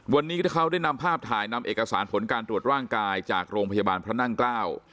วันนี้เขาได้นำภาพถ่ายนำเอกสารผลการตรวจร่างกายจากโรงพยาบาลพระนั่งเกล้า